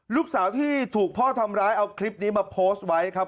ลูกสาวที่ถูกพ่อทำร้ายเอาคลิปนี้มาโพสต์ไว้ครับ